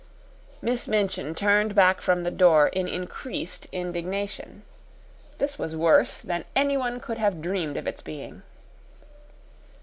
Miss Minchin turned back from the door in increased indignation. This was worse than anyone could have dreamed of its being.